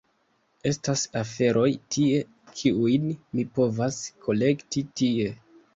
Estas aferoj tie, kiujn mi povas kolekti tie…